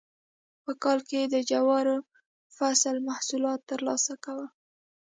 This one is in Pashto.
په کال کې یې د جوارو فصله محصولات ترلاسه کول.